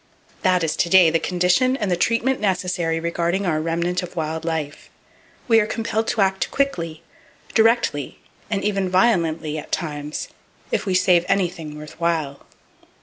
That is to day the condition and the treatment necessary regarding our remnant of wild life. We are compelled to act quickly, directly, and even violently at times, if we save anything worth while.